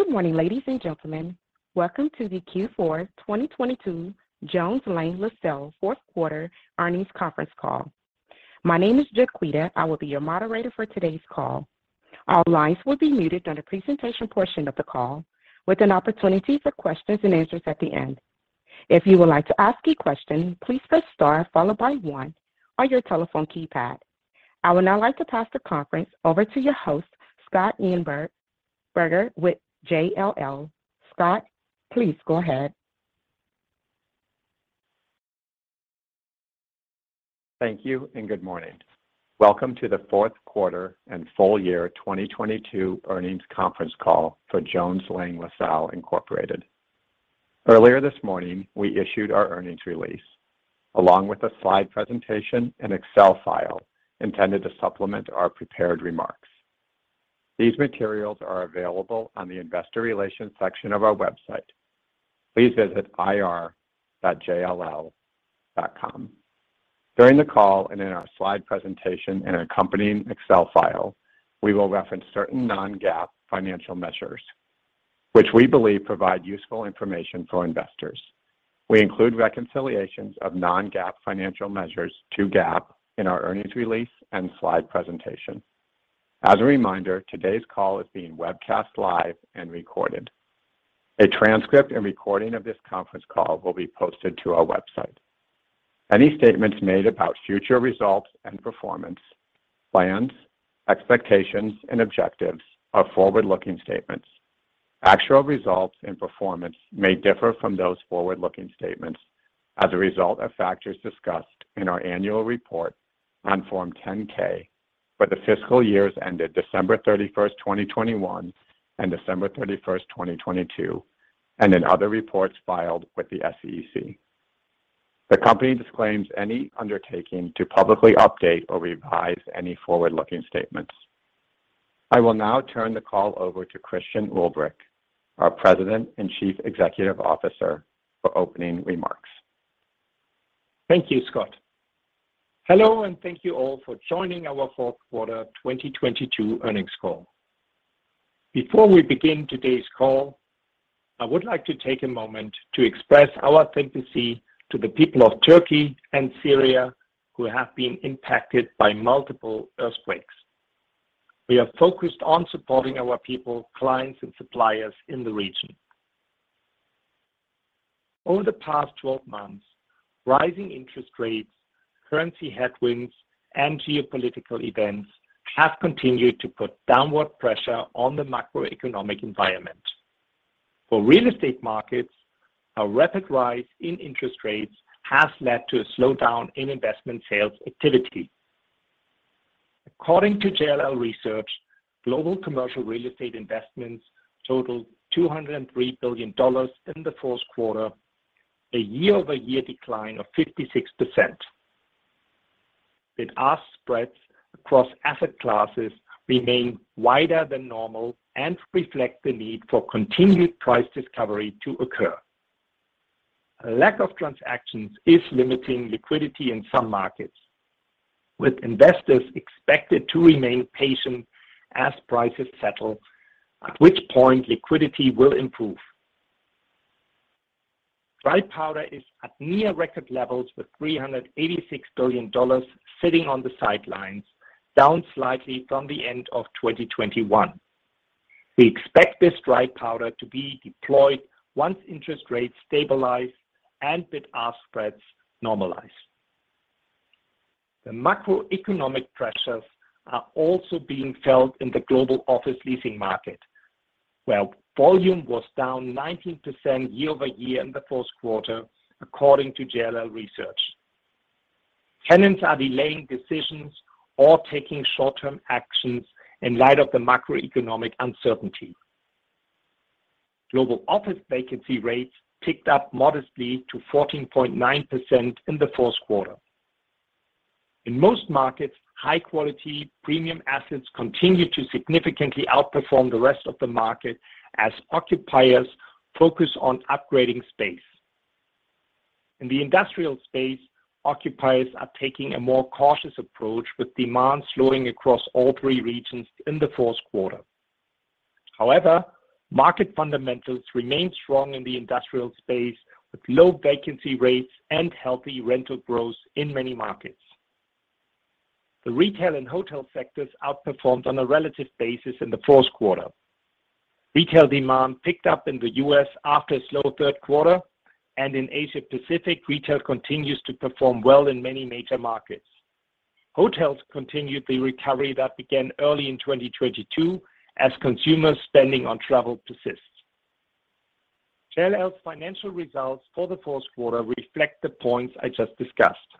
Good morning, ladies and gentlemen. Welcome to the Q4 2022 Jones Lang LaSalle Fourth Quarter Earnings Conference Call. My name is Jaquita. I will be your moderator for today's call. All lines will be muted during the presentation portion of the call, with an opportunity for questions and answers at the end. If you would like to ask a question, please press star followed by one on your telephone keypad. I would now like to pass the conference over to your host, Scott Einberger with JLL. Scott, please go ahead. Thank you. Good morning. Welcome to the fourth quarter and full year 2022 earnings conference call for Jones Lang LaSalle Incorporated. Earlier this morning, we issued our earnings release along with a slide presentation and Excel file intended to supplement our prepared remarks. These materials are available on the investor relations section of our website. Please visit ir.jll.com. During the call and in our slide presentation and accompanying Excel file, we will reference certain non-GAAP financial measures which we believe provide useful information for investors. We include reconciliations of non-GAAP financial measures to GAAP in our earnings release and slide presentation. As a reminder, today's call is being webcast live and recorded. A transcript and recording of this conference call will be posted to our website. Any statements made about future results and performance, plans, expectations, and objectives are forward-looking statements. Actual results and performance may differ from those forward-looking statements as a result of factors discussed in our annual report on Form 10-K for the fiscal years ended December 31st, 2021 and December 31st, 2022, and in other reports filed with the SEC. The company disclaims any undertaking to publicly update or revise any forward-looking statements. I will now turn the call over to Christian Ulbrich, our President and Chief Executive Officer, for opening remarks. Thank you, Scott. Hello, thank you all for joining our fourth quarter 2022 earnings call. Before we begin today's call, I would like to take a moment to express our sympathy to the people of Turkey and Syria who have been impacted by multiple earthquakes. We are focused on supporting our people, clients, and suppliers in the region. Over the past 12 months, rising interest rates, currency headwinds, and geopolitical events have continued to put downward pressure on the macroeconomic environment. For real estate markets, a rapid rise in interest rates has led to a slowdown in Investment Sales activity. According to JLL Research, global commercial real estate investments totaled $203 billion in the fourth quarter, a year-over-year decline of 56%. Bid-ask spreads across asset classes remain wider than normal and reflect the need for continued price discovery to occur. A lack of transactions is limiting liquidity in some markets, with investors expected to remain patient as prices settle, at which point liquidity will improve. Dry powder is at near record levels with $386 billion sitting on the sidelines, down slightly from the end of 2021. We expect this dry powder to be deployed once interest rates stabilize and bid-ask spreads normalize. The macroeconomic pressures are also being felt in the global office leasing market, where volume was down 19% year-over-year in the fourth quarter, according to JLL Research. Tenants are delaying decisions or taking short-term actions in light of the macroeconomic uncertainty. Global office vacancy rates ticked up modestly to 14.9% in the fourth quarter. In most markets, high quality premium assets continued to significantly outperform the rest of the market as occupiers focus on upgrading space. In the industrial space, occupiers are taking a more cautious approach, with demand slowing across all three regions in the fourth quarter. Market fundamentals remain strong in the industrial space, with low vacancy rates and healthy rental growth in many markets. The retail and hotel sectors outperformed on a relative basis in the fourth quarter. Retail demand picked up in the U.S. after a slow third quarter, in Asia Pacific, retail continues to perform well in many major markets. Hotels continued the recovery that began early in 2022 as consumer spending on travel persists. JLL's financial results for the fourth quarter reflect the points I just discussed.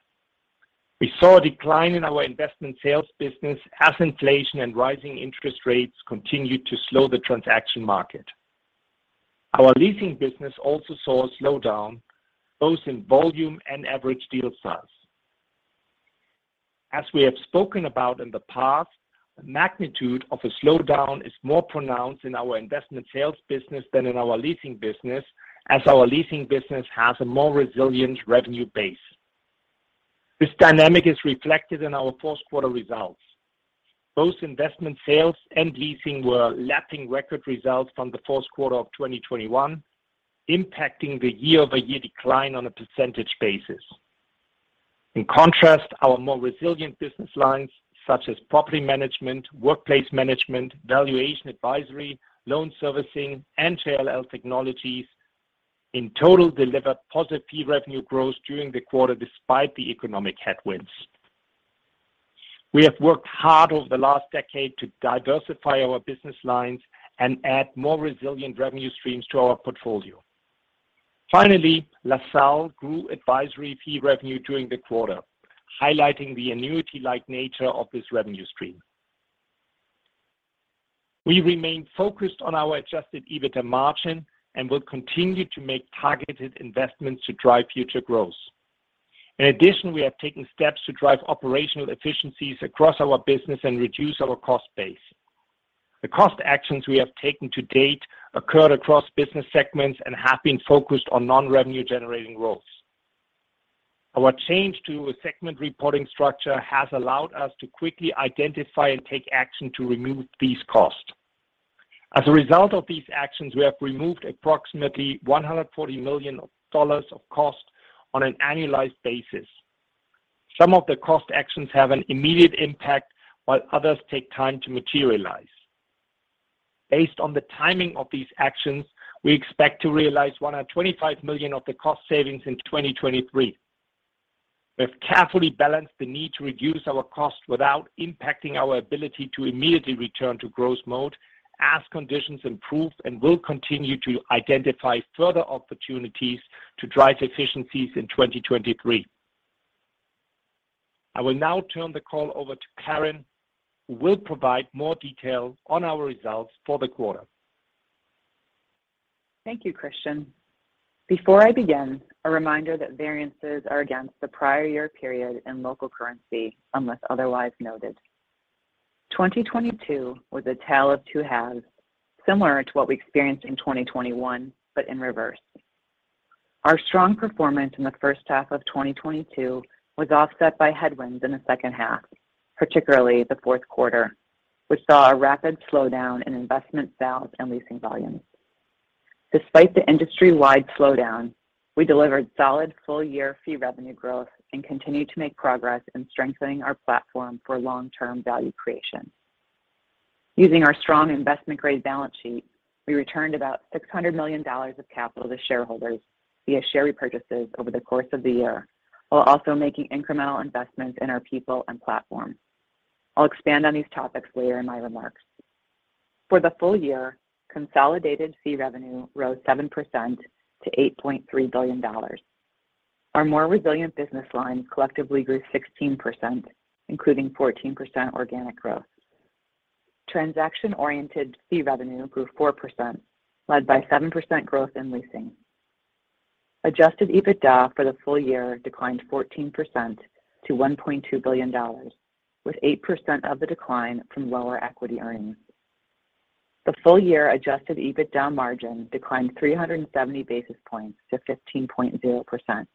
We saw a decline in our Investment Sales business as inflation and rising interest rates continued to slow the transaction market. Our Leasing business also saw a slowdown, both in volume and average deal size. We have spoken about in the past, the magnitude of a slowdown is more pronounced in our Investment Sales business than in our Leasing business, as our Leasing business has a more resilient revenue base. This dynamic is reflected in our fourth quarter results. Both Investment Sales and Leasing were lapping record results from the fourth quarter of 2021, impacting the year-over-year decline on a percentage basis. In contrast, our more resilient business lines, such as Property Management, Workplace Management, Valuation Advisory, Loan Servicing, and JLL Technologies, in total delivered positive fee revenue growth during the quarter despite the economic headwinds. We have worked hard over the last decade to diversify our business lines and add more resilient revenue streams to our portfolio. Finally, LaSalle grew advisory fee revenue during the quarter, highlighting the annuity-like nature of this revenue stream. We remain focused on our adjusted EBITDA margin and will continue to make targeted investments to drive future growth. In addition, we have taken steps to drive operational efficiencies across our business and reduce our cost base. The cost actions we have taken to date occurred across business segments and have been focused on non-revenue generating roles. Our change to a segment reporting structure has allowed us to quickly identify and take action to remove these costs. As a result of these actions, we have removed approximately $140 million of cost on an annualized basis. Some of the cost actions have an immediate impact, while others take time to materialize. Based on the timing of these actions, we expect to realize $125 million of the cost savings in 2023. We have carefully balanced the need to reduce our cost without impacting our ability to immediately return to growth mode as conditions improve and will continue to identify further opportunities to drive efficiencies in 2023. I will now turn the call over to Karen, who will provide more detail on our results for the quarter. Thank you, Christian. Before I begin, a reminder that variances are against the prior year period in local currency, unless otherwise noted. 2022 was a tale of two halves, similar to what we experienced in 2021, in reverse. Our strong performance in the first half of 2022 was offset by headwinds in the second half, particularly the fourth quarter, which saw a rapid slowdown in Investment Sales and Leasing volumes. Despite the industry-wide slowdown, we delivered solid full-year fee revenue growth and continued to make progress in strengthening our platform for long-term value creation. Using our strong investment-grade balance sheet, we returned about $600 million of capital to shareholders via share repurchases over the course of the year, while also making incremental investments in our people and platform. I'll expand on these topics later in my remarks. For the full year, consolidated fee revenue rose 7% to $8.3 billion. Our more resilient business lines collectively grew 16%, including 14% organic growth. Transaction-oriented fee revenue grew 4%, led by 7% growth in Leasing. Adjusted EBITDA for the full year declined 14% to $1.2 billion, with 8% of the decline from lower equity earnings. The full-year adjusted EBITDA margin declined 370 basis points to 15.0%,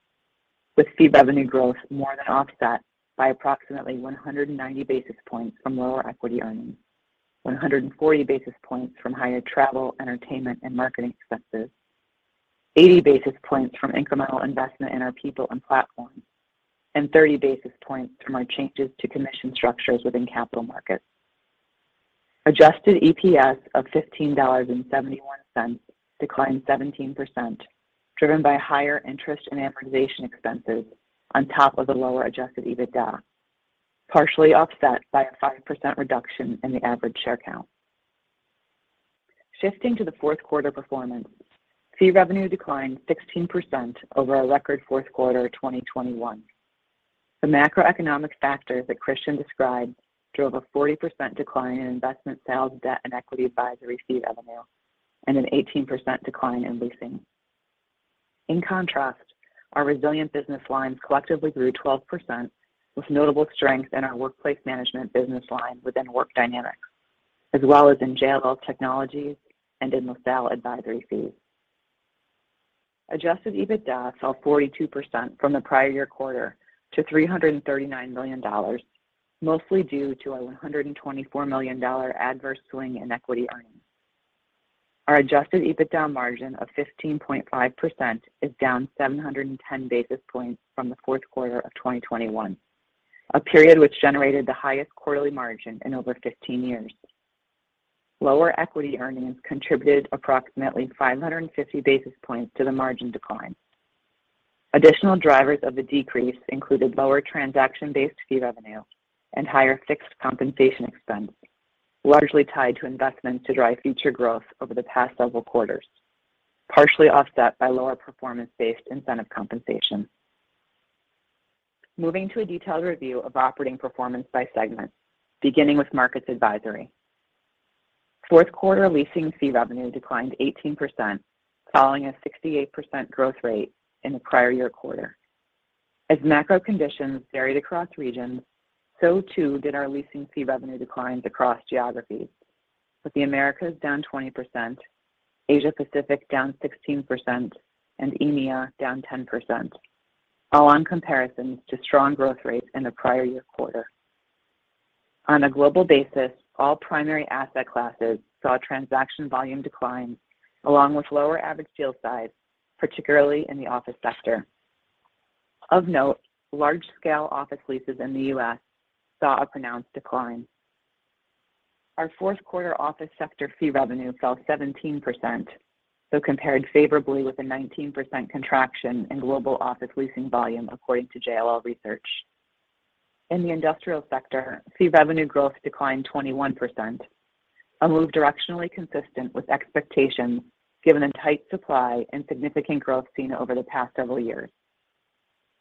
with fee revenue growth more than offset by approximately 190 basis points from lower equity earnings, 140 basis points from higher travel, entertainment, and marketing expenses, 80 basis points from incremental investment in our people and platforms, and 30 basis points from our changes to commission structures within Capital Markets. Adjusted EPS of $15.71 declined 17%, driven by higher interest and amortization expenses on top of the lower adjusted EBITDA, partially offset by a 5% reduction in the average share count. Shifting to the fourth quarter performance, fee revenue declined 16% over our record fourth quarter of 2021. The macroeconomic factors that Christian described drove a 40% decline in Investment Sales debt and equity advisory fee revenue and an 18% decline in Leasing. In contrast, our resilient business lines collectively grew 12%, with notable strength in our Workplace Management business line within Work Dynamics, as well as in JLL Technologies and in LaSalle advisory fees. adjusted EBITDA fell 42% from the prior year quarter to $339 million, mostly due to a $124 million adverse swing in equity earnings. Our adjusted EBITDA margin of 15.5% is down 710 basis points from the fourth quarter of 2021, a period which generated the highest quarterly margin in over 15 years. Lower equity earnings contributed approximately 550 basis points to the margin decline. Additional drivers of the decrease included lower transaction-based fee revenue and higher fixed compensation expense, largely tied to investments to drive future growth over the past several quarters, partially offset by lower performance-based incentive compensation. Moving to a detailed review of operating performance by segment, beginning with Markets Advisory. Fourth quarter Leasing fee revenue declined 18%, following a 68% growth rate in the prior year quarter. As macro conditions varied across regions, so too did our Leasing fee revenue declines across geographies. With the Americas down 20%, Asia Pacific down 16%, and EMEA down 10%, all on comparisons to strong growth rates in the prior year quarter. On a global basis, all primary asset classes saw transaction volume declines along with lower average deal size, particularly in the office sector. Of note, large-scale office leases in the U.S. saw a pronounced decline. Our fourth quarter office sector fee revenue fell 17%, though compared favorably with a 19% contraction in global office Leasing volume according to JLL Research. In the industrial sector, fee revenue growth declined 21%, a move directionally consistent with expectations given the tight supply and significant growth seen over the past several years.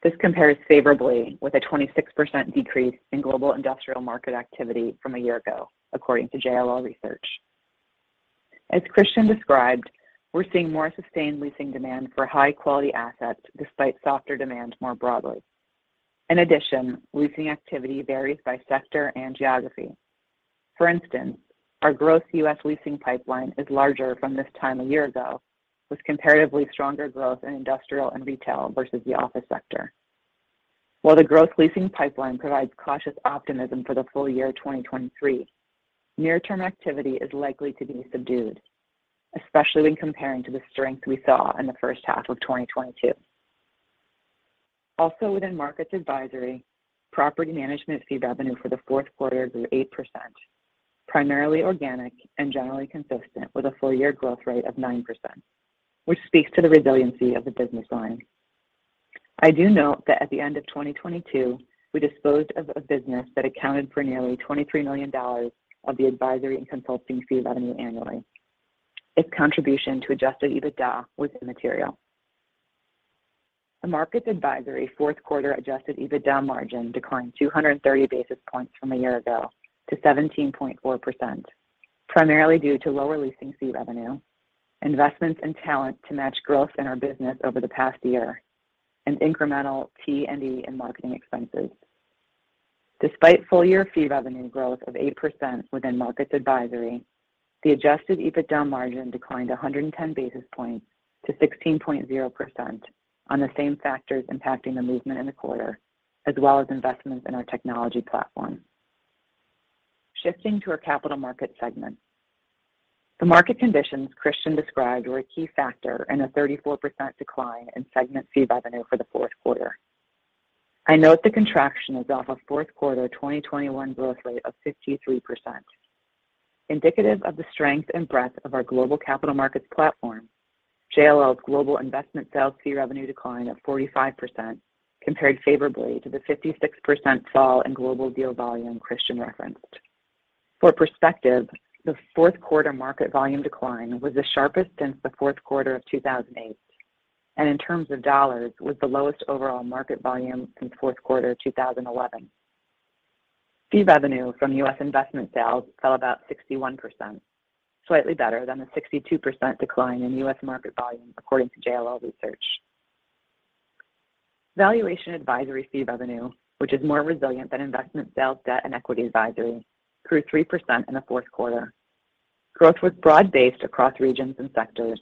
This compares favorably with a 26% decrease in global industrial market activity from a year ago, according to JLL Research. As Christian described, we're seeing more sustained Leasing demand for high-quality assets despite softer demand more broadly. In addition, Leasing activity varies by sector and geography. For instance, our gross U.S. Leasing pipeline is larger from this time a year ago, with comparatively stronger growth in industrial and retail versus the office sector. While the gross Leasing pipeline provides cautious optimism for the full year 2023, near-term activity is likely to be subdued, especially when comparing to the strength we saw in the first half of 2022. Also within Markets Advisory, Property Management fee revenue for the fourth quarter grew 8%, primarily organic and generally consistent with a full year growth rate of 9%, which speaks to the resiliency of the business line. I do note that at the end of 2022, we disposed of a business that accounted for nearly $23 million of the advisory and consulting fee revenue annually. Its contribution to adjusted EBITDA was immaterial. The Markets Advisory fourth quarter adjusted EBITDA margin declined 230 basis points from a year ago to 17.4%, primarily due to lower Leasing fee revenue, investments in talent to match growth in our business over the past year, and incremental T&E and marketing expenses. Despite full year fee revenue growth of 8% within Markets Advisory, the adjusted EBITDA margin declined 110 basis points to 16.0% on the same factors impacting the movement in the quarter, as well as investments in our technology platform. Shifting to our Capital Markets segment. The market conditions Christian described were a key factor in a 34% decline in segment fee revenue for the fourth quarter. I note the contraction is off a fourth quarter 2021 growth rate of 53%. Indicative of the strength and breadth of our global Capital Markets platform, JLL's global Investment Sales fee revenue declined at 45% compared favorably to the 56% fall in global deal volume Christian referenced. For perspective, the fourth quarter market volume decline was the sharpest since the fourth quarter of 2008, and in terms of dollars, was the lowest overall market volume since fourth quarter 2011. Fee revenue from U.S. Investment Sales fell about 61%, slightly better than the 62% decline in U.S. market volume, according to JLL Research. Valuation Advisory fee revenue, which is more resilient than investment Sales, Debt, and Equity Advisory, grew 3% in the fourth quarter. Growth was broad-based across regions and sectors.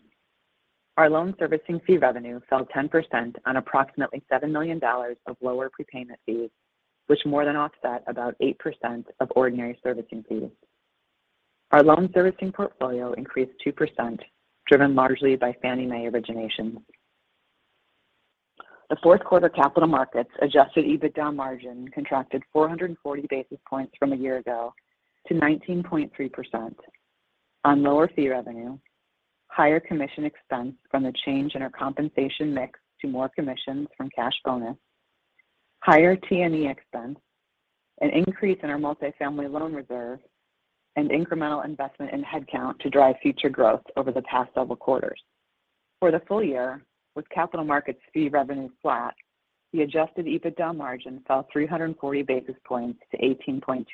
Our loan servicing fee revenue fell 10% on approximately $7 million of lower prepayment fees, which more than offset about 8% of ordinary servicing fees. Our loan servicing portfolio increased 2%, driven largely by Fannie Mae originations. The fourth quarter Capital Markets adjusted EBITDA margin contracted 440 basis points from a year ago to 19.3% on lower fee revenue, higher commission expense from the change in our compensation mix to more commissions from cash bonus, higher T&E expense, an increase in our multifamily loan reserve, and incremental investment in headcount to drive future growth over the past several quarters. For the full year, with Capital Markets fee revenue flat, the adjusted EBITDA margin fell 340 basis points to 18.2%,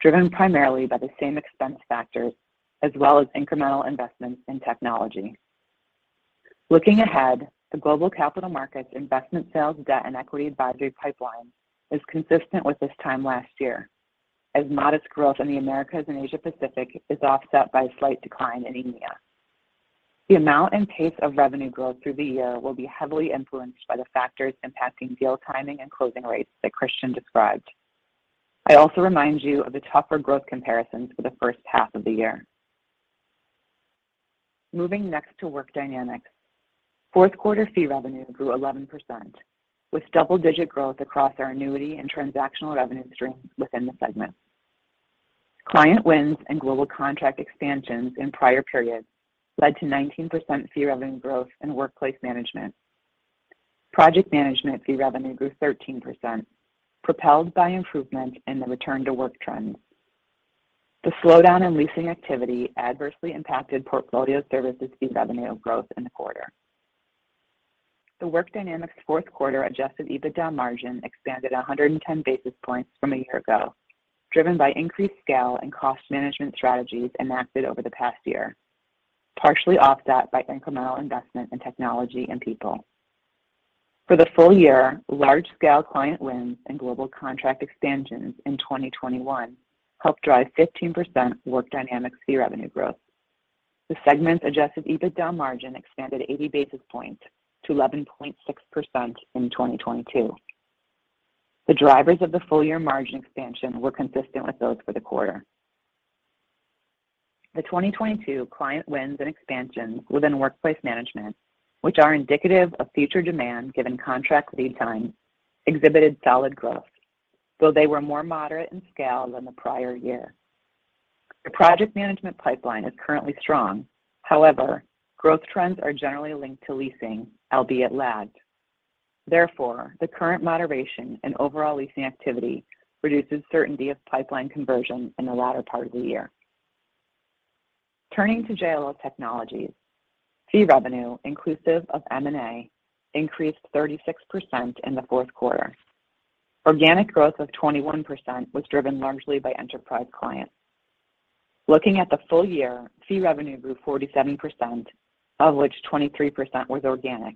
driven primarily by the same expense factors as well as incremental investments in technology. Looking ahead, the global Capital Markets Investment Sales debt and equity advisory pipeline is consistent with this time last year, as modest growth in the Americas and Asia Pacific is offset by a slight decline in EMEA. The amount and pace of revenue growth through the year will be heavily influenced by the factors impacting deal timing and closing rates that Christian described. I also remind you of the tougher growth comparisons for the first half of the year. Moving next to Work Dynamics. Fourth quarter fee revenue grew 11%, with double-digit growth across our annuity and transactional revenue streams within the segment. Client wins and global contract expansions in prior periods led to 19% fee revenue growth in Workplace Management. Project Management fee revenue grew 13%, propelled by improvement in the return to work trends. The slowdown in Leasing activity adversely impacted Portfolio Services fee revenue growth in the quarter. The Work Dynamics fourth quarter adjusted EBITDA margin expanded 110 basis points from a year ago, driven by increased scale and cost management strategies enacted over the past year, partially offset by incremental investment in technology and people. For the full year, large scale client wins and global contract expansions in 2021 helped drive 15% Work Dynamics fee revenue growth. The segment's adjusted EBITDA margin expanded 80 basis points to 11.6% in 2022. The drivers of the full year margin expansion were consistent with those for the quarter. The 2022 client wins and expansions within Workplace Management, which are indicative of future demand given contract lead times, exhibited solid growth, though they were more moderate in scale than the prior year. The project management pipeline is currently strong. However, growth trends are generally linked to Leasing, albeit lagged. Therefore, the current moderation in overall Leasing activity reduces certainty of pipeline conversion in the latter part of the year. Turning to JLL Technologies, fee revenue inclusive of M&A increased 36% in the fourth quarter. Organic growth of 21% was driven largely by enterprise clients. Looking at the full year, fee revenue grew 47%, of which 23% was organic,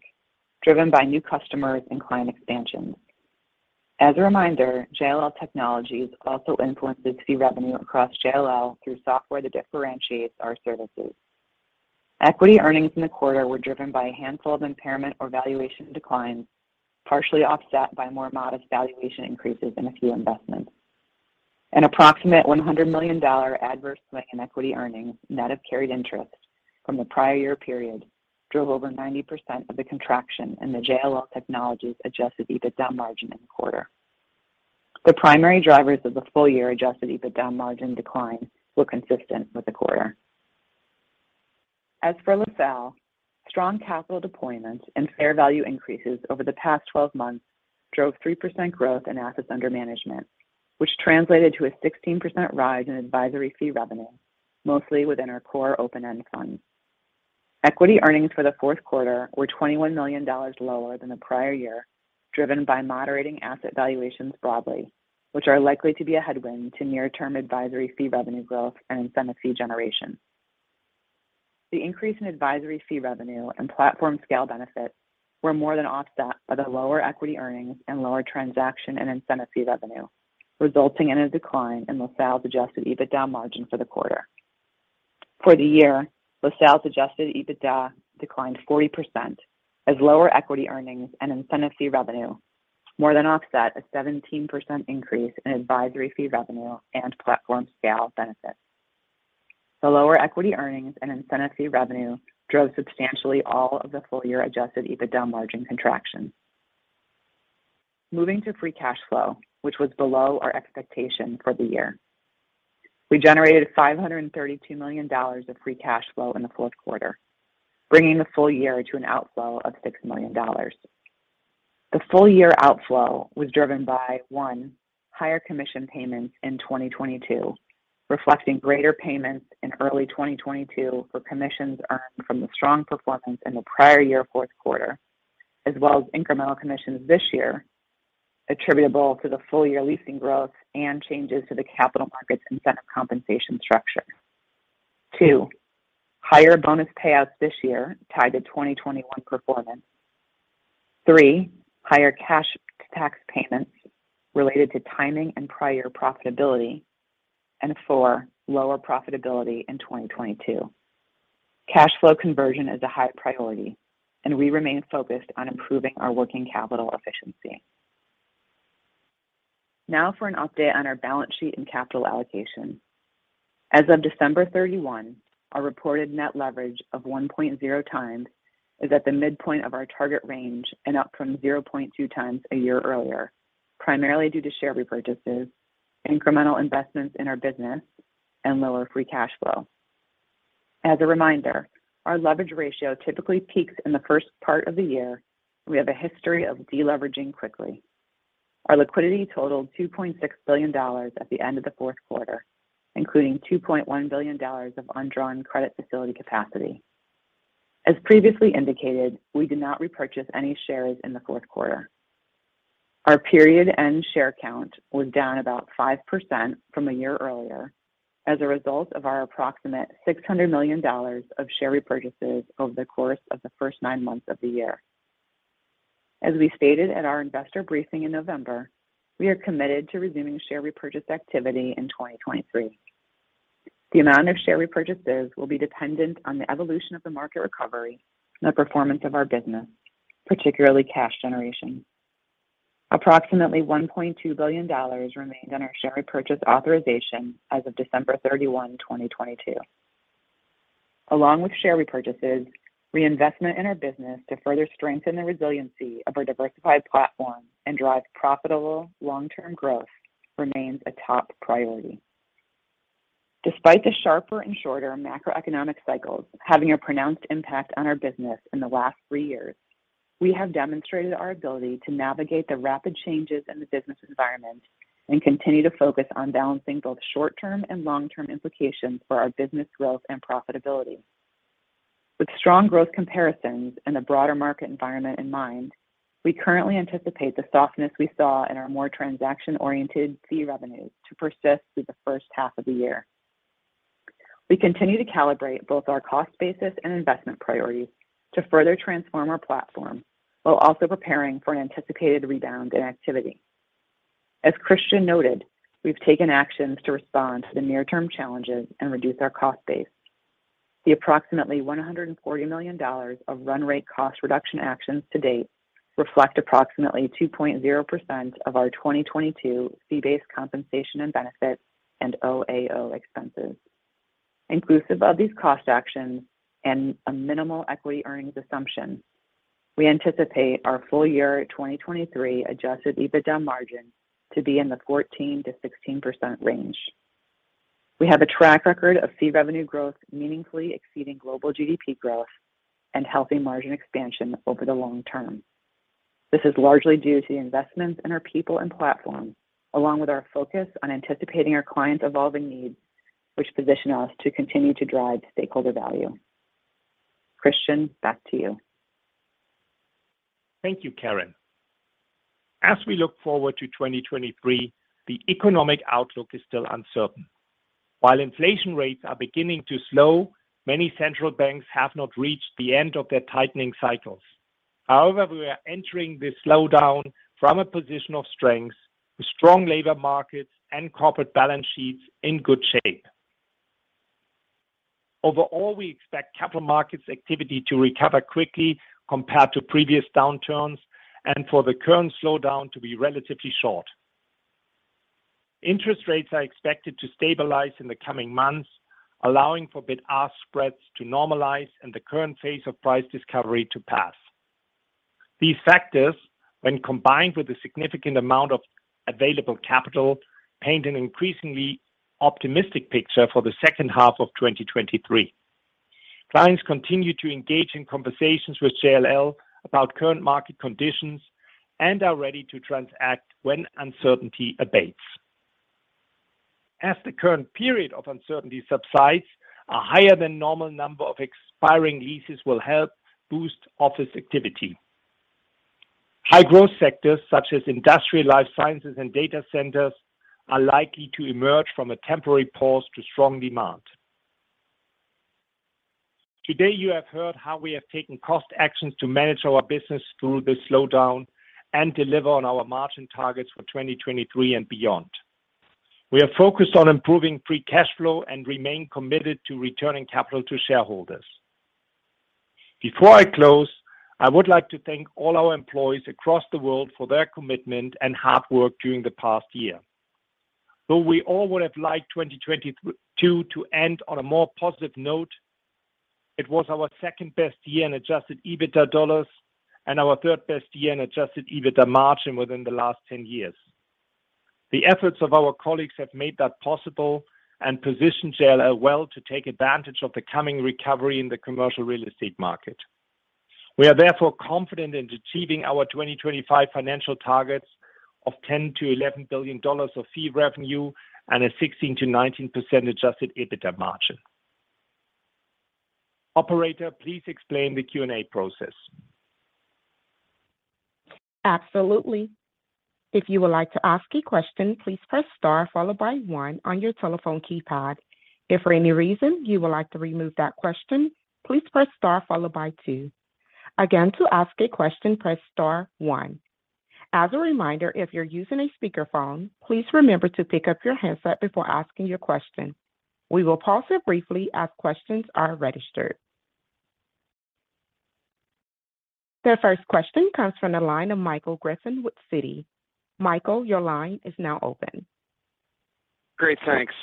driven by new customers and client expansions. As a reminder, JLL Technologies also influences fee revenue across JLL through software that differentiates our services. Equity earnings in the quarter were driven by a handful of impairment or valuation declines, partially offset by more modest valuation increases in a few investments. An approximate $100 million adverse swing in equity earnings net of carried interest from the prior year period drove over 90% of the contraction in the JLL Technologies adjusted EBITDA margin in the quarter. The primary drivers of the full year adjusted EBITDA margin decline were consistent with the quarter. As for LaSalle, strong capital deployments and fair value increases over the past 12 months drove 3% growth in Assets Under Management, which translated to a 16% rise in advisory fee revenue, mostly within our core open-end funds. Equity earnings for the fourth quarter were $21 million lower than the prior year, driven by moderating asset valuations broadly, which are likely to be a headwind to near-term advisory fee revenue growth and incentive fee generation. The increase in advisory fee revenue and platform scale benefits were more than offset by the lower equity earnings and lower transaction and incentive fee revenue, resulting in a decline in LaSalle's adjusted EBITDA margin for the quarter. For the year, LaSalle's adjusted EBITDA declined 40% as lower equity earnings and incentive fee revenue more than offset a 17% increase in advisory fee revenue and platform scale benefits. The lower equity earnings and incentive fee revenue drove substantially all of the full year adjusted EBITDA margin contraction. Moving to free cash flow, which was below our expectation for the year. We generated $532 million of free cash flow in the fourth quarter, bringing the full year to an outflow of $6 million. The full year outflow was driven by one, higher commission payments in 2022, reflecting greater payments in early 2022 for commissions earned from the strong performance in the prior year fourth quarter, as well as incremental commissions this year attributable to the full year Leasing growth and changes to the Capital Markets incentive compensation structure. Two, higher bonus payouts this year tied to 2021 performance. Three. higher cash to tax payments related to timing and prior profitability. Four. lower profitability in 2022. Cash flow conversion is a high priority, and we remain focused on improving our working capital efficiency. Now for an update on our balance sheet and capital allocation. As of December 31, our reported net leverage of 1.0x is at the midpoint of our target range and up from 0.2x a year earlier, primarily due to share repurchases, incremental investments in our business, and lower free cash flow. As a reminder, our leverage ratio typically peaks in the first part of the year, and we have a history of deleveraging quickly. Our liquidity totaled $2.6 billion at the end of the fourth quarter, including $2.1 billion of undrawn credit facility capacity. As previously indicated, we did not repurchase any shares in the fourth quarter. Our period end share count was down about 5% from a year earlier as a result of our approximate $600 million of share repurchases over the course of the first nine months of the year. As we stated at our investor briefing in November, we are committed to resuming share repurchase activity in 2023. The amount of share repurchases will be dependent on the evolution of the market recovery and the performance of our business, particularly cash generation. Approximately $1.2 billion remains on our share repurchase authorization as of December 31, 2022. Along with share repurchases, reinvestment in our business to further strengthen the resiliency of our diversified platform and drive profitable long-term growth remains a top priority. Despite the sharper and shorter macroeconomic cycles having a pronounced impact on our business in the last three years, we have demonstrated our ability to navigate the rapid changes in the business environment and continue to focus on balancing both short-term and long-term implications for our business growth and profitability. With strong growth comparisons and the broader market environment in mind, we currently anticipate the softness we saw in our more transaction-oriented fee revenues to persist through the first half of the year. We continue to calibrate both our cost basis and investment priorities to further transform our platform while also preparing for an anticipated rebound in activity. As Christian noted, we've taken actions to respond to the near-term challenges and reduce our cost base. The approximately $140 million of run rate cost reduction actions to date reflect approximately 2.0% of our 2022 fee-based compensation and benefits and OAO expenses. Inclusive of these cost actions and a minimal equity earnings assumption, we anticipate our full year 2023 adjusted EBITDA margin to be in the 14%-16% range. We have a track record of fee revenue growth meaningfully exceeding global GDP growth and healthy margin expansion over the long term. This is largely due to the investments in our people and platform, along with our focus on anticipating our clients' evolving needs, which position us to continue to drive stakeholder value. Christian, back to you. Thank you, Karen. As we look forward to 2023, the economic outlook is still uncertain. While inflation rates are beginning to slow, many central banks have not reached the end of their tightening cycles. However, we are entering this slowdown from a position of strength with strong labor markets and corporate balance sheets in good shape. Overall, we expect Capital Markets activity to recover quickly compared to previous downturns and for the current slowdown to be relatively short. Interest rates are expected to stabilize in the coming months, allowing for bid-ask spreads to normalize and the current phase of price discovery to pass. These factors, when combined with a significant amount of available capital, paint an increasingly optimistic picture for the second half of 2023. Clients continue to engage in conversations with JLL about current market conditions and are ready to transact when uncertainty abates. As the current period of uncertainty subsides, a higher than normal number of expiring leases will help boost office activity. High growth sectors such as industrial life sciences and data centers are likely to emerge from a temporary pause to strong demand. Today, you have heard how we have taken cost actions to manage our business through this slowdown and deliver on our margin targets for 2023 and beyond. We are focused on improving free cash flow and remain committed to returning capital to shareholders. Before I close, I would like to thank all our employees across the world for their commitment and hard work during the past year. We all would have liked 2022 to end on a more positive note, it was our second-best year in adjusted EBITDA dollars and our third-best year in adjusted EBITDA margin within the last 10 years. The efforts of our colleagues have made that possible and positioned JLL well to take advantage of the coming recovery in the commercial real estate market. We are therefore confident in achieving our 2025 financial targets of $10 billion-$11 billion of fee revenue and a 16%-19% adjusted EBITDA margin. Operator, please explain the Q&A process. Absolutely. If you would like to ask a question, please press star followed by one on your telephone keypad. If for any reason you would like to remove that question, please press star followed by two. Again, to ask a question, press star one. As a reminder, if you're using a speakerphone, please remember to pick up your handset before asking your question. We will pause here briefly as questions are registered. The first question comes from the line of Michael Griffin with Citi. Michael, your line is now open. Great. Thanks.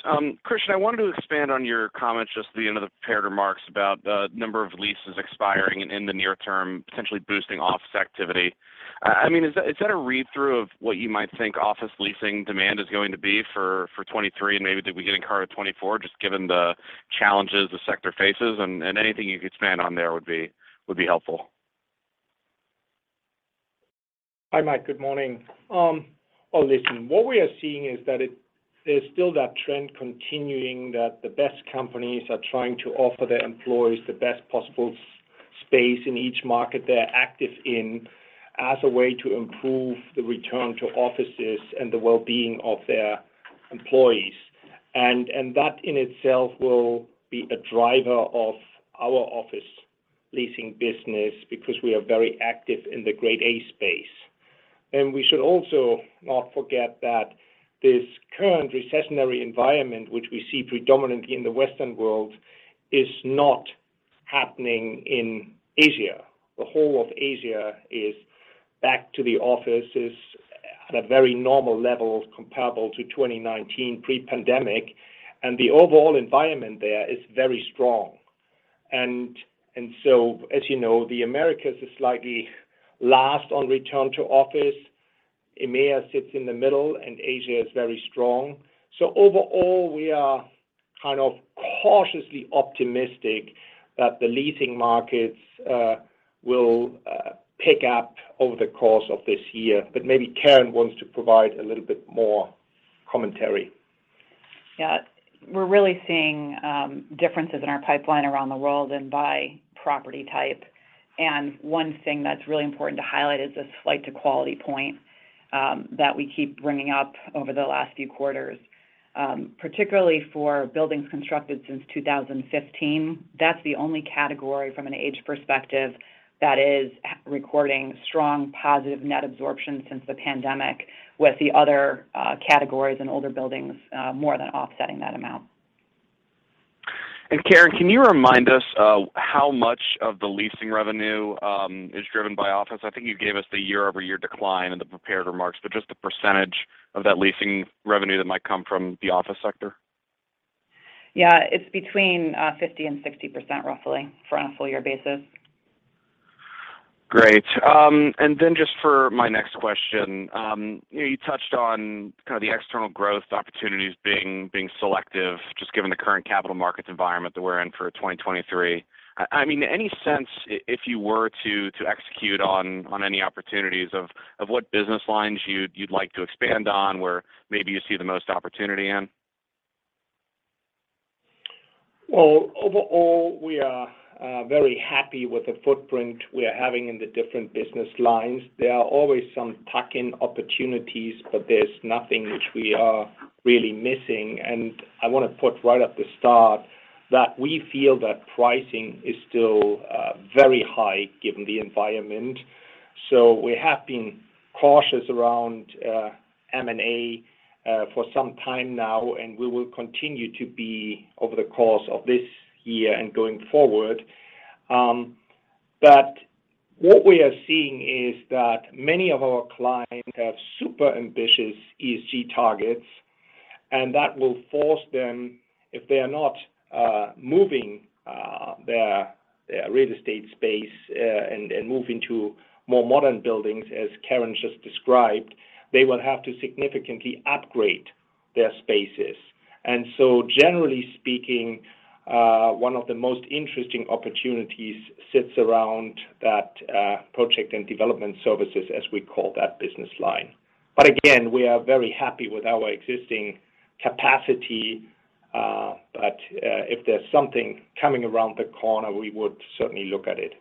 Christian, I wanted to expand on your comments just at the end of the prepared remarks about the number of leases expiring in the near term, essentially boosting office activity. I mean, is that a read-through of what you might think office Leasing demand is going to be for 2023 and maybe the beginning part of 2024, just given the challenges the sector faces? Anything you could expand on there would be helpful. Hi, Mike. Good morning. Listen. What we are seeing is that there's still that trend continuing that the best companies are trying to offer their employees the best possible space in each market they're active in as a way to improve the return to offices and the well-being of their employees. That in itself will be a driver of our office Leasing business because we are very active in the Grade A space. We should also not forget that this current recessionary environment, which we see predominantly in the Western world, is not happening in Asia. The whole of Asia is back to the offices at a very normal level comparable to 2019 pre-pandemic, and the overall environment there is very strong. As you know, the Americas is slightly last on return to office. EMEA sits in the middle, and Asia is very strong. Overall, we are kind of cautiously optimistic that the Leasing markets will pick up over the course of this year. Maybe Karen wants to provide a little bit more commentary. Yeah. We're really seeing, differences in our pipeline around the world and by property type. One thing that's really important to highlight is this flight to quality point, that we keep bringing up over the last few quarters. Particularly for buildings constructed since 2015. That's the only category from an age perspective that is recording strong positive net absorption since the pandemic with the other categories and older buildings more than offsetting that amount. Karen, can you remind us of how much of the Leasing revenue is driven by office? I think you gave us the year-over-year decline in the prepared remarks, but just the percentage of that Leasing revenue that might come from the office sector. Yeah. It's between 50% and 60% roughly for a full year basis. Great. Just for my next question. You touched on kind of the external growth opportunities being selective, just given the current Capital Markets environment that we're in for 2023. I mean, any sense if you were to execute on any opportunities of what business lines you'd like to expand on where maybe you see the most opportunity in? Well, overall, we are very happy with the footprint we are having in the different business lines. There are always some tuck-in opportunities, but there's nothing which we are really missing. I wanna put right at the start that we feel that pricing is still very high given the environment. We have been cautious around M&A for some time now, and we will continue to be over the course of this year and going forward. What we are seeing is that many of our clients have super ambitious ESG targets, and that will force them if they are not moving their real estate space and move into more modern buildings, as Karen just described, they will have to significantly upgrade their spaces. Generally speaking, one of the most interesting opportunities sits around that, Project and Development Services, as we call that business line. Again, we are very happy with our existing capacity, but, if there's something coming around the corner, we would certainly look at it.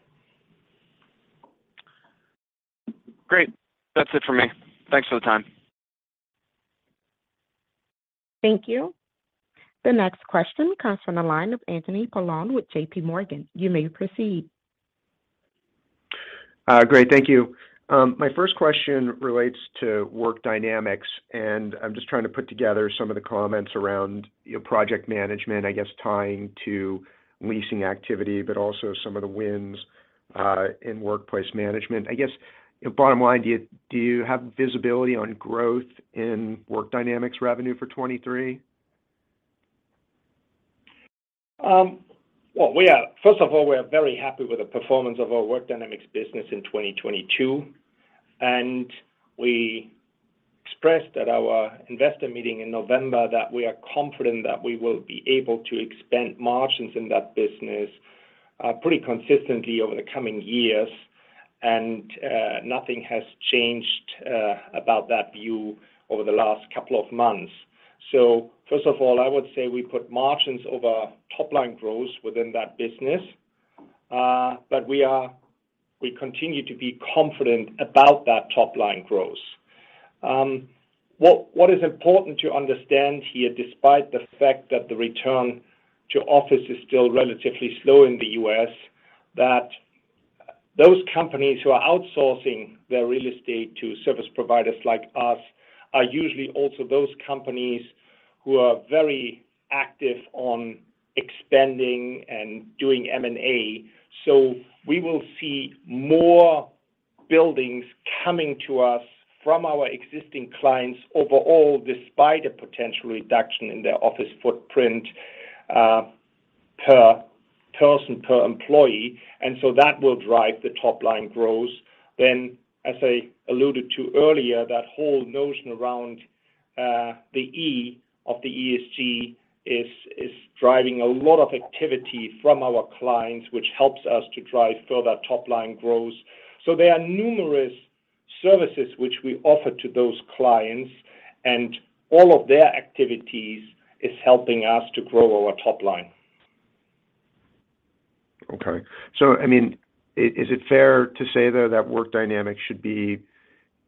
Great. That's it for me. Thanks for the time. Thank you. The next question comes from the line of Anthony Paolone with JPMorgan. You may proceed. Great. Thank you. My first question relates to Work Dynamics, I'm just trying to put together some of the comments around, you know, Project Management, I guess, tying to Leasing activity, also some of the wins in Workplace Management. I guess, bottom line, do you have visibility on growth in Work Dynamics revenue for 2023? First of all, we are very happy with the performance of our Work Dynamics business in 2022. We expressed at our investor meeting in November that we are confident that we will be able to expand margins in that business pretty consistently over the coming years. Nothing has changed about that view over the last couple of months. First of all, I would say we put margins over top line growth within that business. We continue to be confident about that top line growth. What is important to understand here, despite the fact that the return to office is still relatively slow in the U.S., that those companies who are outsourcing their real estate to service providers like us are usually also those companies who are very active on expanding and doing M&A. We will see more buildings coming to us from our existing clients overall, despite a potential reduction in their office footprint, per person, per employee. That will drive the top line growth. As I alluded to earlier, that whole notion around the E of the ESG is driving a lot of activity from our clients, which helps us to drive further top line growth. There are numerous services which we offer to those clients and all of their activities is helping us to grow our top line. I mean, is it fair to say, though, that Work Dynamics should be,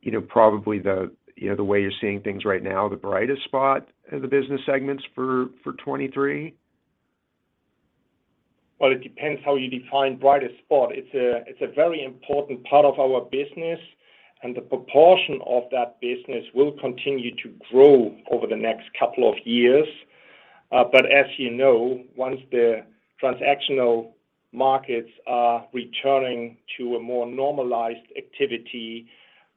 you know, probabl, you know, the way you're seeing things right now, the brightest spot of the business segments for 2023? Well, it depends how you define brightest spot. It's a very important part of our business. The proportion of that business will continue to grow over the next couple of years. As you know, once the transactional markets are returning to a more normalized activity,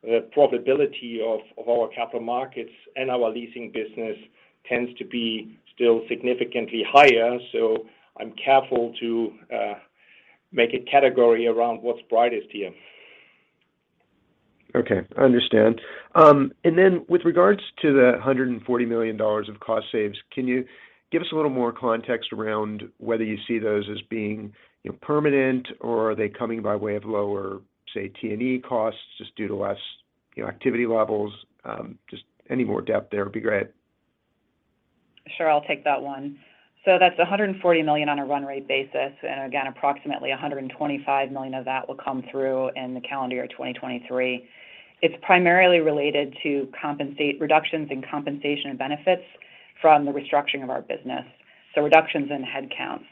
the profitability of our Capital Markets and our Leasing business tends to be still significantly higher. I'm careful to make a category around what's brightest here. Okay, I understand. With regards to the $140 million of cost saves, can you give us a little more context around whether you see those as being, you know, permanent, or are they coming by way of lower, say, T&E costs just due to less, you know, activity levels? Just any more depth there would be great. Sure. I'll take that one. That's $140 million on a run rate basis, and again, approximately $125 million of that will come through in the calendar year 2023. It's primarily related to reductions in compensation and benefits from the restructuring of our business, so reductions in headcounts.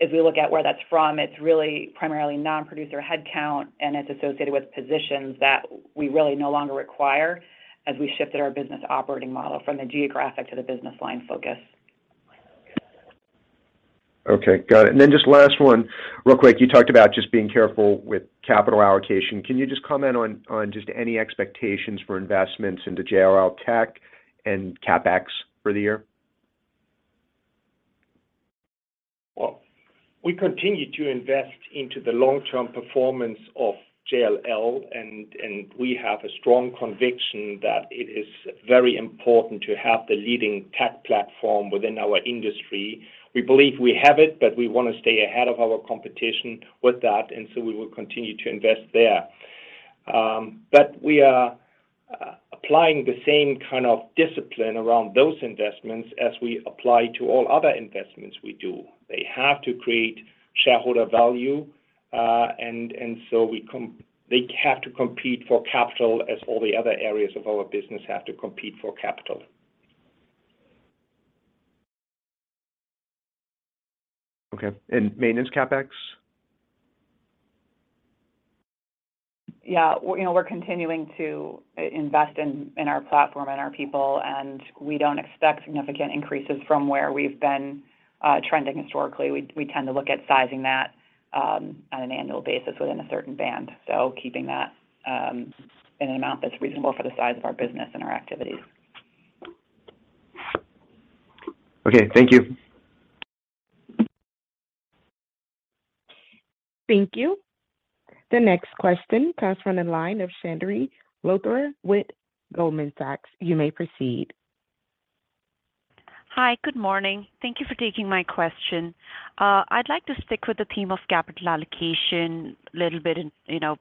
As we look at where that's from, it's really primarily non-producer headcount, and it's associated with positions that we really no longer require as we shifted our business operating model from the geographic to the business line focus. Okay. Got it. Then just last one real quick. You talked about just being careful with capital allocation. Can you just comment on just any expectations for investments into JLL Tech and CapEx for the year? Well, we continue to invest into the long-term performance of JLL, and we have a strong conviction that it is very important to have the leading tech platform within our industry. We believe we have it, but we wanna stay ahead of our competition with that. We will continue to invest there. We are applying the same kind of discipline around those investments as we apply to all other investments we do. They have to create shareholder value. They have to compete for capital as all the other areas of our business have to compete for capital. Okay. Maintenance CapEx? Yeah. Well, you know, we're continuing to invest in our platform and our people. We don't expect significant increases from where we've been trending historically. We tend to look at sizing that on an annual basis within a certain band, keeping that in an amount that's reasonable for the size of our business and our activities. Okay. Thank you. Thank you. The next question comes from the line of Chandni Luthra with Goldman Sachs. You may proceed. Hi. Good morning. Thank you for taking my question. I'd like to stick with the theme of capital allocation a little bit in, you know,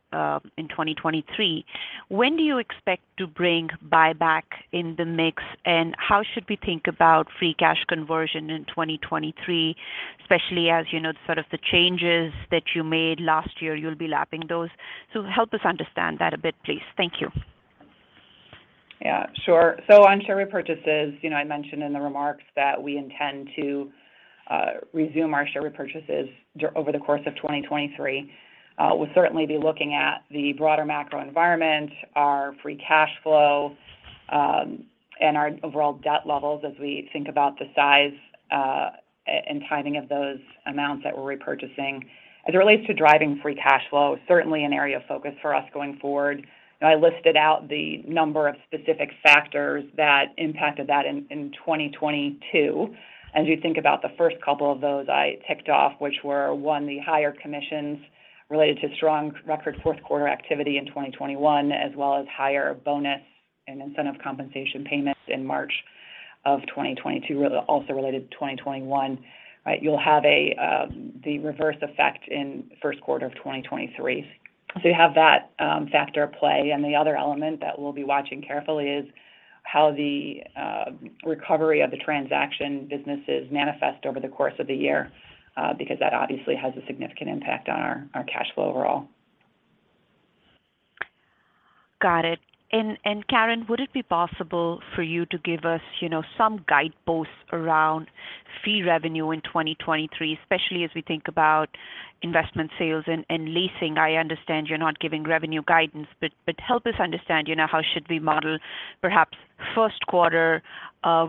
in 2023. When do you expect to bring buyback in the mix, and how should we think about free cash conversion in 2023, especially as, you know, sort of the changes that you made last year, you'll be lapping those. Help us understand that a bit, please. Thank you. Yeah. Sure. On share repurchases, you know, I mentioned in the remarks that we intend to resume our share repurchases over the course of 2023. We'll certainly be looking at the broader macro environment, our free cash flow, and our overall debt levels as we think about the size and timing of those amounts that we're repurchasing. As it relates to driving free cash flow, certainly an area of focus for us going forward. I listed out the number of specific factors that impacted that in 2022. As you think about the first couple of those I ticked off, which were, one, the higher commissions related to strong record fourth quarter activity in 2021 as well as higher bonus and incentive compensation payments in March of 2022, also related to 2021. You'll have a the reverse effect in first quarter of 2023. You have that factor at play. The other element that we'll be watching carefully is how the recovery of the transaction businesses manifest over the course of the year, because that obviously has a significant impact on our cash flow overall. Got it. Karen, would it be possible for you to give us, you know, some guideposts around fee revenue in 2023, especially as we think about Investment Sales and Leasing? I understand you're not giving revenue guidance, but help us understand, you know, how should we model perhaps first quarter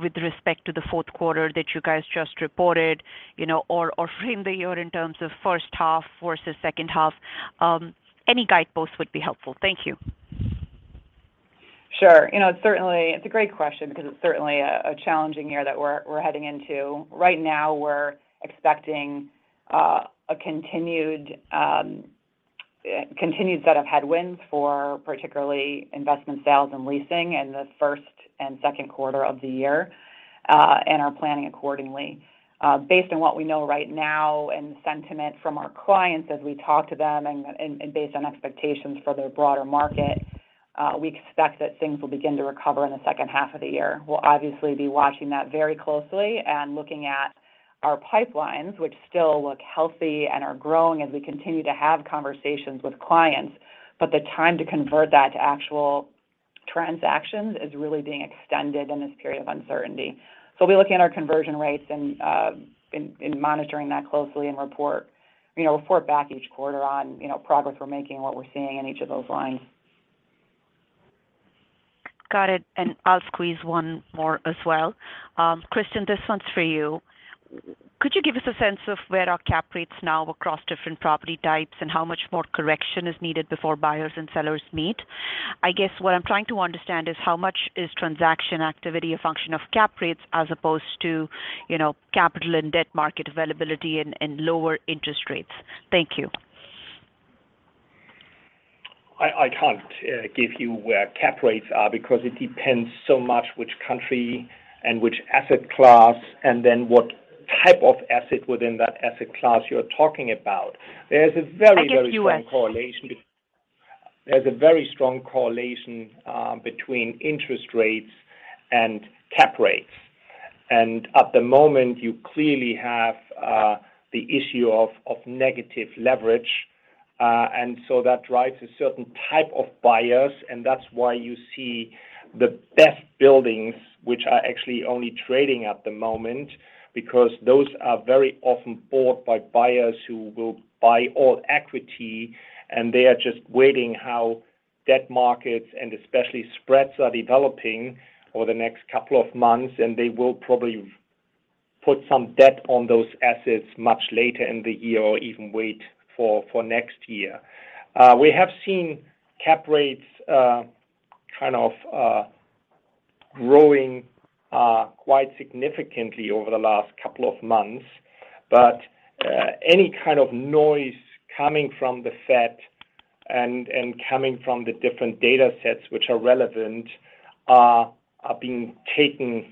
with respect to the fourth quarter that you guys just reported, you know, or frame the year in terms of first half versus second half. Any guideposts would be helpful. Thank you. Sure. You know, it's certainly a great question because it's certainly a challenging year that we're heading into. Right now, we're expecting a continued set of headwinds for particularly Investment Sales and Leasing in the first and second quarter of the year and are planning accordingly. Based on what we know right now and the sentiment from our clients as we talk to them and based on expectations for their broader market, we expect that things will begin to recover in the second half of the year. We'll obviously be watching that very closely and looking at our pipelines, which still look healthy and are growing as we continue to have conversations with clients. The time to convert that to actual transactions is really being extended in this period of uncertainty. We'll be looking at our conversion rates and monitoring that closely and report back each quarter on, you know, progress we're making and what we're seeing in each of those lines. Got it. I'll squeeze one more as well. Christian, this one's for you. Could you give us a sense of where our cap rates now across different property types and how much more correction is needed before buyers and sellers meet? I guess what I'm trying to understand is how much is transaction activity a function of cap rates as opposed to, you know, capital and debt market availability and lower interest rates. Thank you. I can't give you where cap rates are because it depends so much which country and which asset class and then what type of asset within that asset class you're talking about. There's a very strong correlation. I guess U.S. There's a very strong correlation between interest rates and cap rates. At the moment, you clearly have the issue of negative leverage. That drives a certain type of buyers, and that's why you see the best buildings which are actually only trading at the moment because those are very often bought by buyers who will buy all equity, and they are just waiting how debt markets and especially spreads are developing over the next couple of months. They will probably put some debt on those assets much later in the year, or even wait for next year. We have seen cap rates kind of growing quite significantly over the last couple of months. Any kind of noise coming from the Fed and coming from the different datasets which are relevant are being taken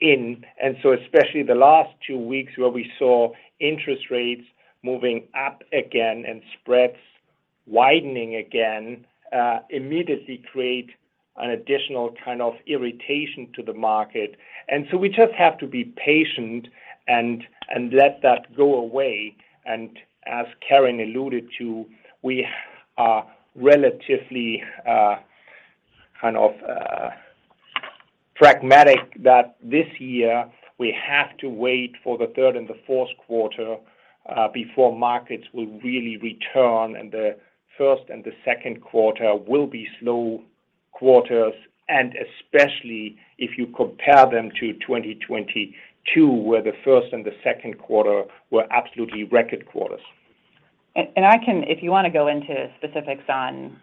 in. Especially the last two weeks where we saw interest rates moving up again and spreads widening again, immediately create an additional kind of irritation to the market. We just have to be patient and let that go away. As Karen alluded to, we are relatively kind of pragmatic that this year we have to wait for the third and the fourth quarter before markets will really return. The first and the second quarter will be slow quarters, and especially if you compare them to 2022, where the first and the second quarter were absolutely record quarters. If you want to go into specifics on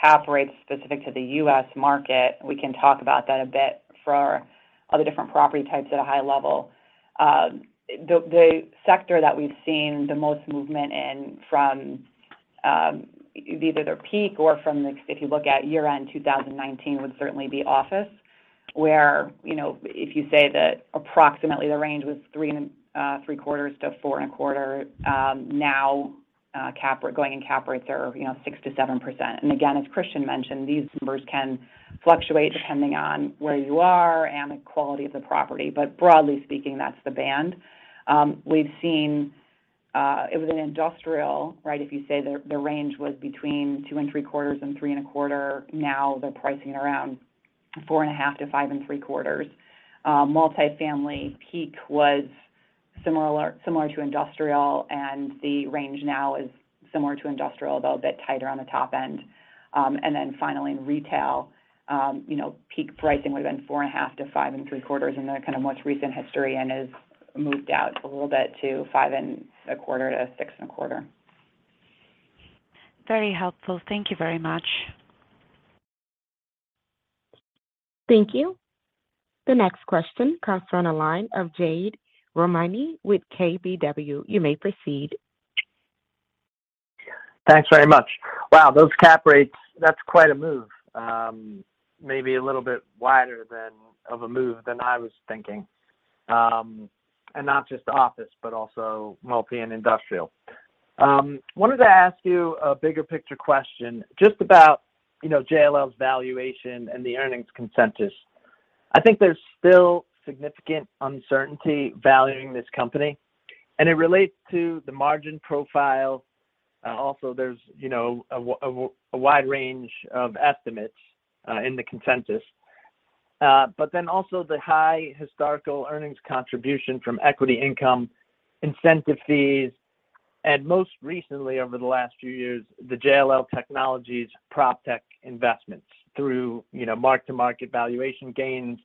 cap rates specific to the U.S. market, we can talk about that a bit for other different property types at a high level. The sector that we've seen the most movement in from either their peak or from if you look at year-end 2019 would certainly be office where, you know, if you say that approximately the range was 3.75%-4.25%, now, going in cap rates are, you know, 6%-7%. Again, as Christian mentioned, these numbers can fluctuate depending on where you are and the quality of the property. Broadly speaking, that's the band. We've seen, It was an industrial, right? If you say the range was between 2.75% and 3.25%, now they're pricing around 4.5%-5.75%. Multifamily peak was similar to industrial, and the range now is similar to industrial, though a bit tighter on the top end. Then finally in retail, you know, peak pricing would have been 4.5%-5.75% in the kind of much recent history and has moved out a little bit to 5.25%-6.25%. Very helpful. Thank you very much. Thank you. The next question comes from a line of Jade Rahmani with KBW. You may proceed. Thanks very much. Wow, those cap rates, that's quite a move. maybe a little bit wider than of a move than I was thinking. Not just office, but also multi and industrial. wanted to ask you a bigger picture question just about, you know, JLL's valuation and the earnings consensus. I think there's still significant uncertainty valuing this company, and it relates to the margin profile. Also there's, you know, a wide range of estimates in the consensus. Also the high historical earnings contribution from equity income incentive fees and most recently over the last few years, the JLL Technologies proptech investments through, you know, mark-to-market valuation gains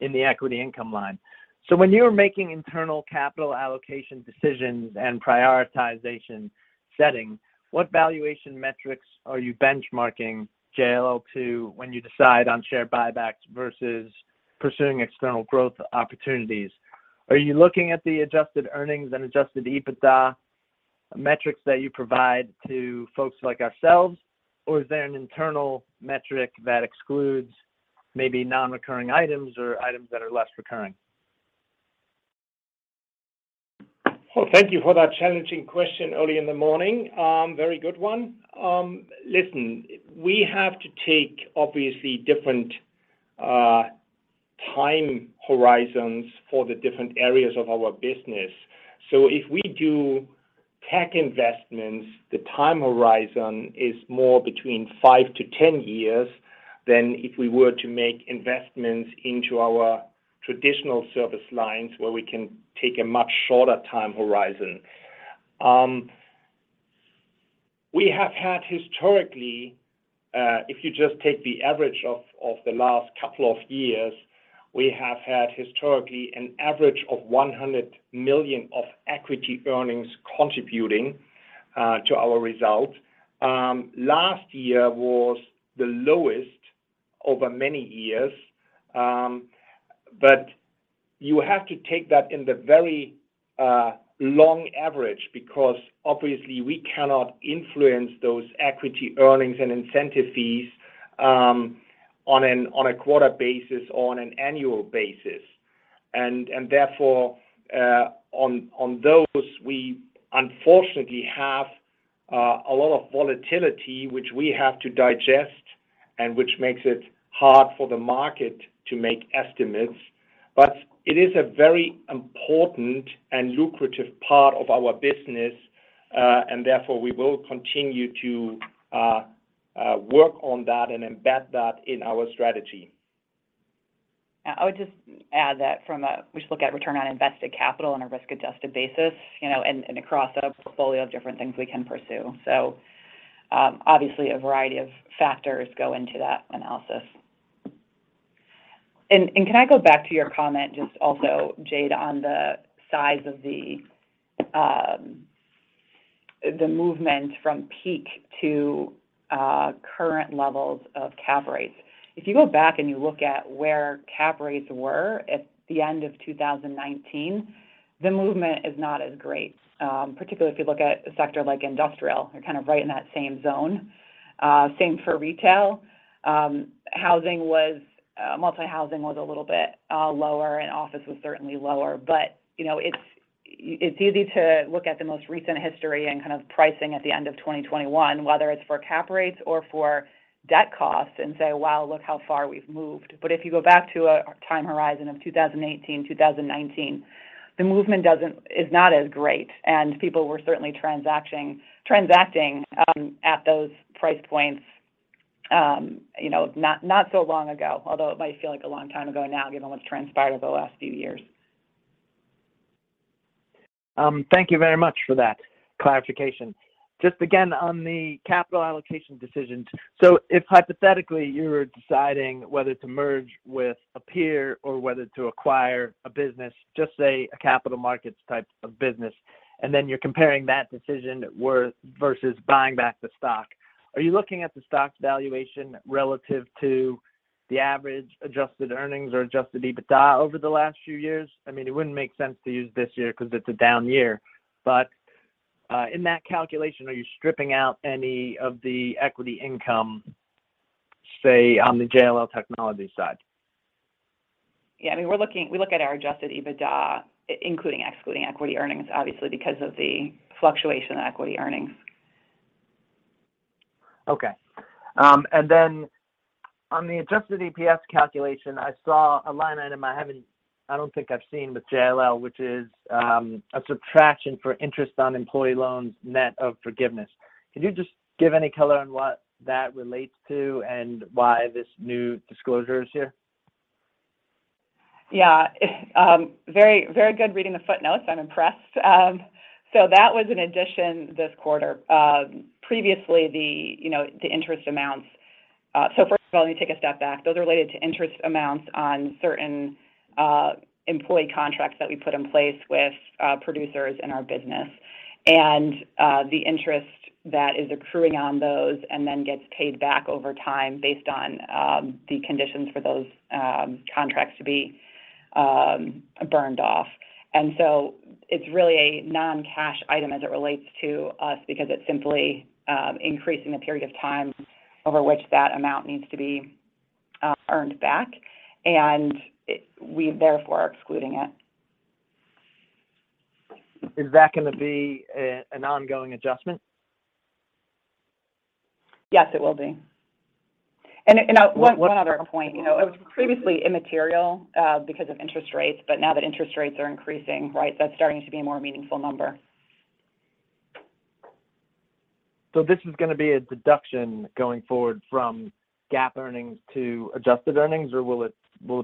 in the equity income line. When you are making internal capital allocation decisions and prioritization setting, what valuation metrics are you benchmarking JLL to when you decide on share buybacks versus pursuing external growth opportunities? Are you looking at the adjusted earnings and adjusted EBITDA metrics that you provide to folks like ourselves, or is there an internal metric that excludes maybe non-recurring items or items that are less recurring? Well, thank you for that challenging question early in the morning. Very good one. Listen, we have to take obviously different time horizons for the different areas of our business. If we do tech investments, the time horizon is more between five to 10 years than if we were to make investments into our traditional service lines where we can take a much shorter time horizon. If you just take the average of the last couple of years, we have had historically an average of $100 million of equity earnings contributing to our results. Last year was the lowest over many years, but you have to take that in the very long average because obviously we cannot influence those equity earnings and incentive fees, on a quarter basis, on an annual basis. Therefore, on those we unfortunately have a lot of volatility which we have to digest. Which makes it hard for the market to make estimates. It is a very important and lucrative part of our business, and therefore we will continue to work on that and embed that in our strategy. I would just add that we just look at return on invested capital on a risk-adjusted basis, you know, and across a portfolio of different things we can pursue. Obviously a variety of factors go into that analysis. Can I go back to your comment just also, Jade, on the size of the movement from peak to current levels of cap rates? If you go back and you look at where cap rates were at the end of 2019, the movement is not as great. Particularly if you look at a sector like industrial, they're kind of right in that same zone. Same for retail. Multi-housing was a little bit lower and office was certainly lower. You know, it's easy to look at the most recent history and kind of pricing at the end of 2021, whether it's for cap rates or for debt costs, and say, wow, look how far we've moved. If you go back to a time horizon of 2018, 2019, the movement is not as great. People were certainly transacting at those price points, you know, not so long ago. Although it might feel like a long time ago now given what's transpired over the last few years. Thank you very much for that clarification. Just again, on the capital allocation decisions. If hypothetically you were deciding whether to merge with a peer or whether to acquire a business, just say a Capital Markets type of business, and then you're comparing that decision worth versus buying back the stock. Are you looking at the stock's valuation relative to the average adjusted earnings or adjusted EBITDA over the last few years? I mean, it wouldn't make sense to use this year because it's a down year. In that calculation, are you stripping out any of the equity income, say, on the JLL Technologies side? Yeah. I mean, we look at our adjusted EBITDA excluding equity earnings, obviously, because of the fluctuation in equity earnings. Okay. On the adjusted EPS calculation, I saw a line item I don't think I've seen with JLL, which is a subtraction for interest on employee loans net of forgiveness. Can you just give any color on what that relates to and why this new disclosure is here? Yeah. Very, very good reading the footnotes. I'm impressed. That was an addition this quarter. Previously the, you know, the interest amounts. First of all, let me take a step back. Those are related to interest amounts on certain employee contracts that we put in place with producers in our business. The interest that is accruing on those and then gets paid back over time based on the conditions for those contracts to be burned off. It's really a non-cash item as it relates to us because it's simply increasing the period of time over which that amount needs to be earned back. We therefore are excluding it. Is that gonna be an ongoing adjustment? Yes, it will be. One other point. You know, it was previously immaterial because of interest rates, but now that interest rates are increasing, right, that's starting to be a more meaningful number. This is gonna be a deduction going forward from GAAP earnings to adjusted earnings, or will it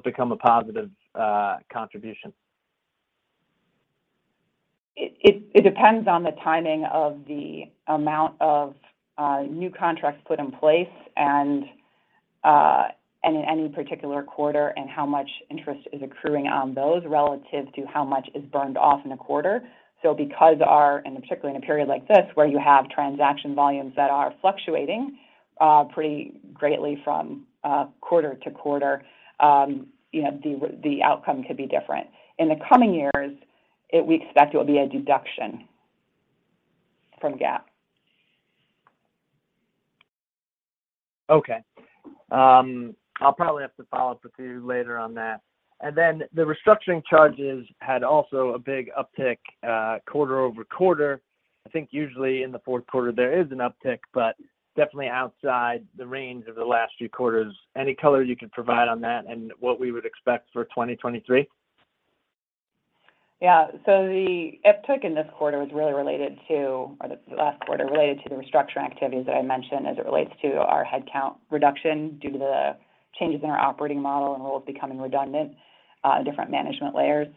become a positive contribution? It depends on the timing of the amount of new contracts put in place and in any particular quarter, and how much interest is accruing on those relative to how much is burned off in a quarter. Because our and particularly in a period like this, where you have transaction volumes that are fluctuating pretty greatly from quarter to quarter, you know, the outcome could be different. In the coming years, we expect it will be a deduction from GAAP. Okay. I'll probably have to follow up with you later on that. The restructuring charges had also a big uptick quarter-over-quarter. I think usually in the fourth quarter there is an uptick, but definitely outside the range of the last few quarters. Any color you could provide on that and what we would expect for 2023? The uptick in this quarter was really related to the last quarter, related to the restructuring activities that I mentioned as it relates to our headcount reduction due to the changes in our operating model and roles becoming redundant, different management layers,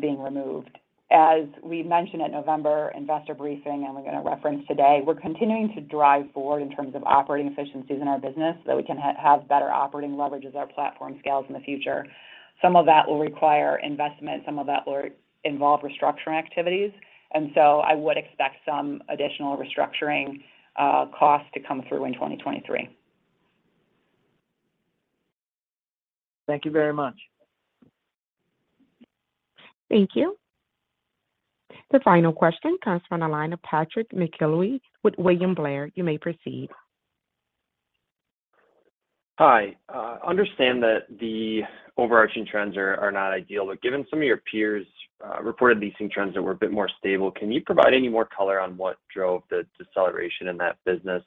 being removed. As we mentioned at November investor briefing, we're gonna reference today, we're continuing to drive forward in terms of operating efficiencies in our business so that we can have better operating leverage as our platform scales in the future. Some of that will require investment, some of that will involve restructuring activities, I would expect some additional restructuring costs to come through in 2023. Thank you very much. Thank you. The final question comes from the line of Patrick McIlwee with William Blair. You may proceed. Hi. Understand that the overarching trends are not ideal. Given some of your peers, reported Leasing trends that were a bit more stable, can you provide any more color on what drove the deceleration in that business?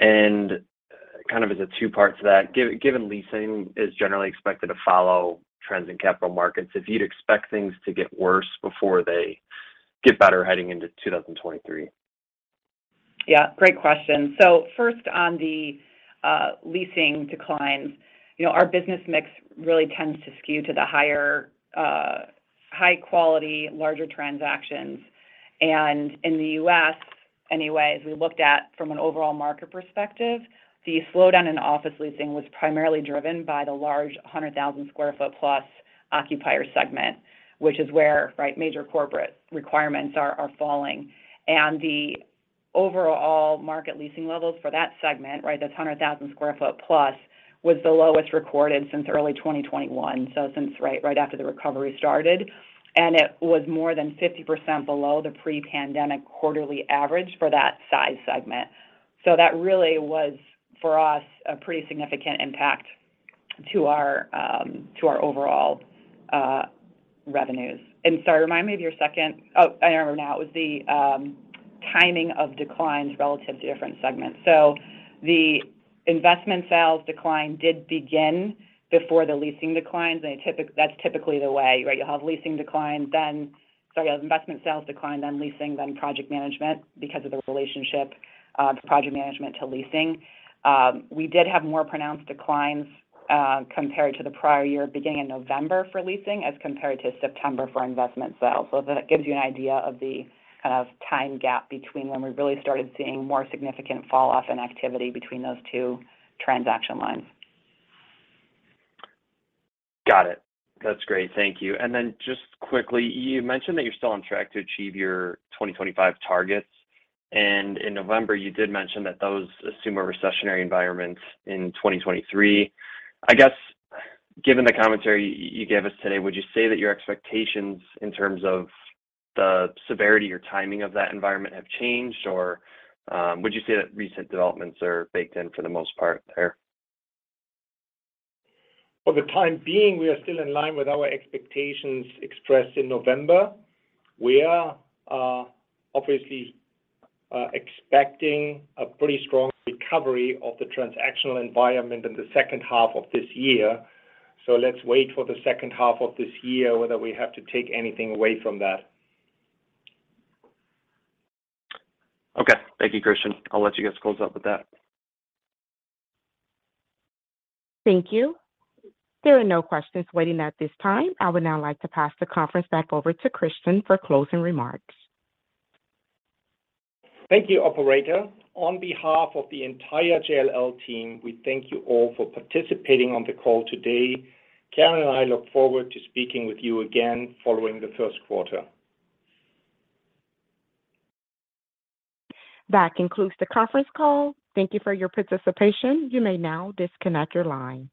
Kind of as a two part to that, given Leasing is generally expected to follow trends in capital markets, if you'd expect things to get worse before they get better heading into 2023. Yeah, great question. First on the Leasing declines. You know, our business mix really tends to skew to the higher, high quality, larger transactions. In the U.S. anyway, as we looked at from an overall market perspective, the slowdown in office Leasing was primarily driven by the large 100,000+ sq ft occupier segment, which is where, right, major corporate requirements are falling. The overall market Leasing levels for that segment, right, that's 100,000+ sq ft, was the lowest recorded since early 2021. Since right after the recovery started. It was more than 50% below the pre-pandemic quarterly average for that size segment. That really was, for us, a pretty significant impact to our overall revenues. Sorry, remind me of your second. Oh, I remember now. It was the timing of declines relative to different segments. The Investment Sales decline did begin before the Leasing declines, and that's typically the way, right? You'll have Investment Sales decline, then Leasing, then Project Management because of the relationship of Project Management to Leasing. We did have more pronounced declines compared to the prior year, beginning in November for Leasing as compared to September for Investment Sales. That gives you an idea of the kind of time gap between when we really started seeing more significant fall off in activity between those two transaction lines. Got it. That's great. Thank you. Then just quickly, you mentioned that you're still on track to achieve your 2025 targets. In November, you did mention that those assume a recessionary environment in 2023. I guess given the commentary you gave us today, would you say that your expectations in terms of the severity or timing of that environment have changed? Or would you say that recent developments are baked in for the most part there? For the time being we are still in line with our expectations expressed in November. We are, obviously, expecting a pretty strong recovery of the transactional environment in the second half of this year. Let's wait for the second half of this year, whether we have to take anything away from that. Okay. Thank you, Christian. I'll let you guys close up with that. Thank you. There are no questions waiting at this time. I would now like to pass the conference back over to Christian for closing remarks. Thank you, Operator. On behalf of the entire JLL team, we thank you all for participating on the call today. Karen and I look forward to speaking with you again following the first quarter. That concludes the conference call. Thank you for your participation. You may now disconnect your line.